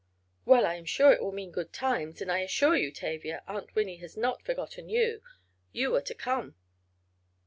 "Well, I am sure it will mean good times, and I assure you, Tavia, Aunt Winnie has not forgotten you. You are to come."